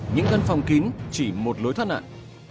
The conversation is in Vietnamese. những căn phòng kín chỉ một lối thoát nạn